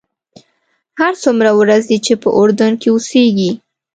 هر څومره ورځې چې په اردن کې اوسېږې.